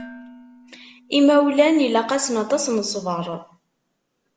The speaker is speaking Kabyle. Imawlan ilaq-asen waṭas n ṣṣber.